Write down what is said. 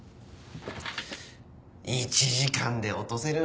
１時間で落とせる